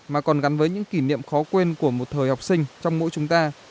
mà còn gắn với những kỷ niệm khó quên của một thời học sinh trong mỗi chúng ta